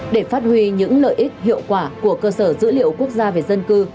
để phát huy những lợi ích hiệu quả của cơ sở dữ liệu quốc gia về dân cư